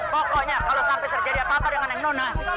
pokoknya kalau sampai terjadi apa apa dengan yang nona